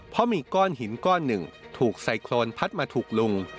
เพราะมีก้อนหินก้อนหนึ่งถูกไซโครนพัดมาถูกลุง